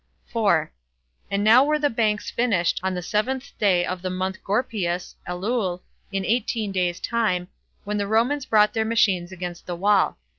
4. And now were the banks finished on the seventh day of the month Gorpieus, [Elul,] in eighteen days' time, when the Romans brought their machines against the wall.